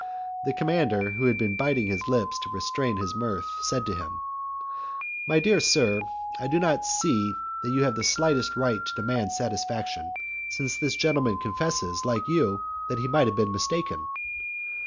The commander, who was biting his lips to restrain his mirth, said to him, "My dear sir, I do not see that you have the slightest right to demand satisfaction, since this gentleman confesses, like you, that he might have been mistaken."